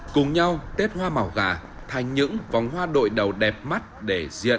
cùng nhau tết hoa màu gà thành những vòng hoa đội đầu đẹp mắt để diện